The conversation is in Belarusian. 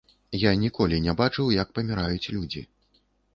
Я ніколі не бачыў, як паміраюць людзі.